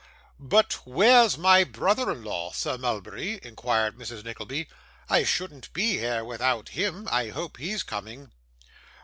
'But where's my brother in law, Sir Mulberry?' inquired Mrs. Nickleby. 'I shouldn't be here without him. I hope he's coming.